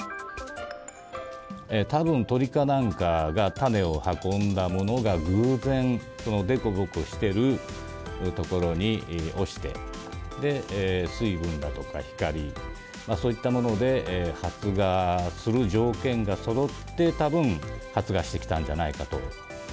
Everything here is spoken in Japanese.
たぶん、鳥かなんかが種を運んだものが、偶然、この凸凹してる所に落ちて、水分だとか光、そういったもので発芽する条件がそろって、たぶん発芽してきたんじゃないかと。